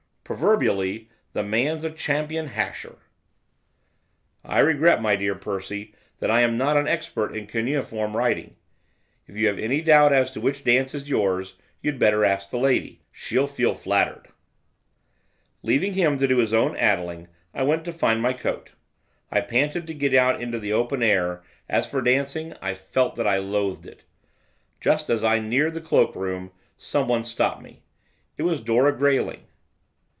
Proverbially, the man's a champion hasher. 'I regret, my dear Percy, that I am not an expert in cuneiform writing. If you have any doubt as to which dance is yours, you'd better ask the lady, she'll feel flattered.' Leaving him to do his own addling I went to find my coat, I panted to get into the open air; as for dancing I felt that I loathed it. Just as I neared the cloak room someone stopped me. It was Dora Grayling.